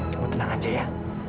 kamu tenang aja ya